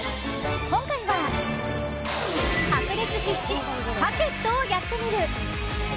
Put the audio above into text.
今回は、白熱必至！ＰＵＣＫＥＴをやってみる。